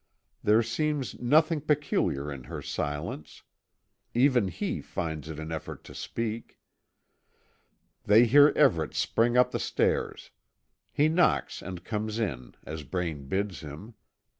There seems nothing peculiar in her silence. Even he finds it an effort to speak. They hear Everet spring up the stairs. He knocks and comes in, as Braine bids him.